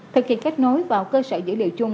thực hiện kết nối vào cơ sở dữ liệu chung